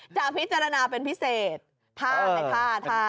จะพิจารณาเป็นพิเศษถ้าถ้าถ้า